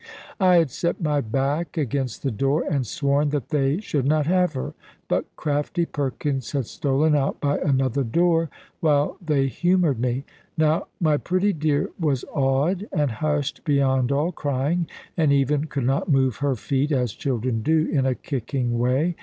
I had set my back against the door, and sworn that they should not have her; but crafty Perkins had stolen out by another door while they humoured me. Now my pretty dear was awed, and hushed beyond all crying, and even could not move her feet, as children do, in a kicking way.